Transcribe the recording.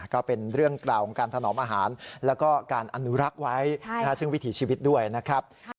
ก็เป็นเรื่องกล่าวของการถนอมอาหารแล้วก็การอนุรักษ์ไว้ซึ่งวิถีชีวิตด้วยนะครับ